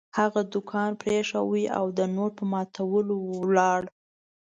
هغه دوکان پرېښود او د نوټ په ماتولو ولاړ.